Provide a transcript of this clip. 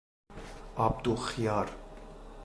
آبدوغ خیار